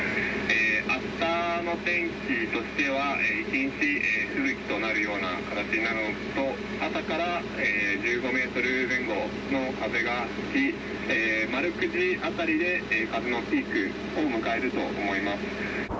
あしたの天気としては一日吹雪となるような形なのと朝から１５メートル前後の風が吹き９時辺りで風のピークを迎えると思います。